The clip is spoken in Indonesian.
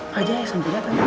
pak jaya sampai datang